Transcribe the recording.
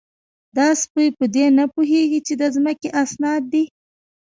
_دا سپۍ په دې نه پوهېږي چې د ځمکې اسناد دي؟